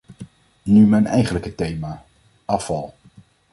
Nu mijn eigenlijke thema: afval.